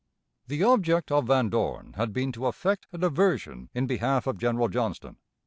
The object of Van Dorn had been to effect a diversion in behalf of General Johnston.